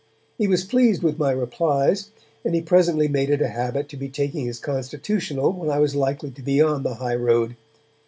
He was pleased with my replies, and he presently made it a habit to be taking his constitutional when I was likely to be on the high road.